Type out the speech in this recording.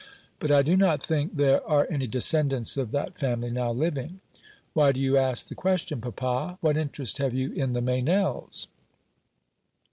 But I do not think there are any descendants of that family now living. Why do you ask the question, papa? What interest have you in the Meynells?"